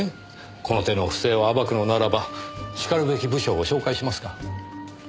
この手の不正を暴くのならばしかるべき部署を紹介しますが。